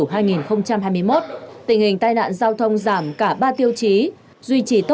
tình hình tai nạn giao thông giảm cả ba tiêu chí